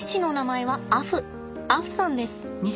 アフさんです。